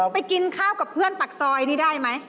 ไปกินข้าวกับเพื่อนปากซอยนี่ได้ไหม